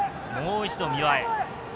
もう一度、三輪へ。